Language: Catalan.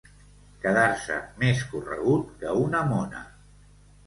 Quedar-se més corregut que una mona.